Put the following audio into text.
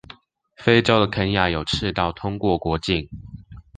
非州的肯亞有赤道通過國境